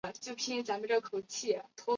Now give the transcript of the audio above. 美国新线电影公司出品。